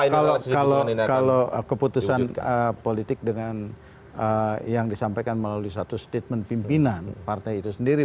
ya kalau keputusan politik dengan yang disampaikan melalui satu statement pimpinan partai itu sendiri